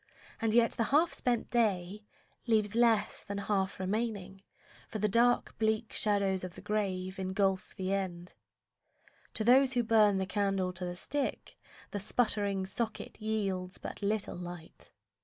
and yet the half spent day Leaves less than half remaining, for the dark, Bleak shadows of the grave engulf the end. To those who burn the candle to the stick, The sputtering socket yields but little light.